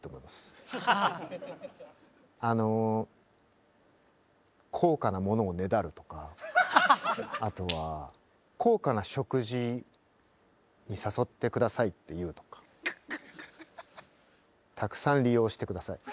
あの高価なものをねだるとかあとは高価な食事に誘って下さいって言うとかたくさん利用して下さい。